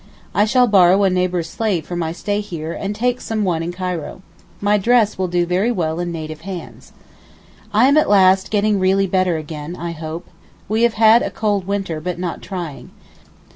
I shall borrow a neighbour's slave for my stay here and take some one in Cairo. My dress will do very well in native hands. I am at last getting really better again, I hope. We have had a cold winter, but not trying.